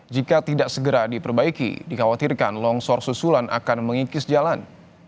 jika tidak segera diperbaiki dikhawatirkan longsor susulan akan mengikis jalan